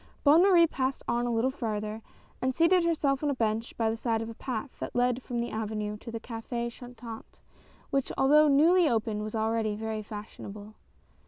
Bonne Marie passed on a little farther and seated herself on a bench by the side of a path that led from the avenue to a Oaf^ Chantant, which, although newly opened, was already very fashionable.